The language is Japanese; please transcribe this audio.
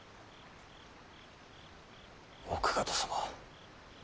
奥方様。